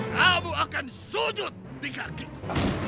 kamu akan sujud di kakiku